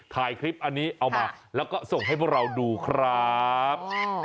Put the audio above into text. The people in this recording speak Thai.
ถ่ายคลิปอันนี้เอามาแล้วก็ส่งให้พวกเราดูครับ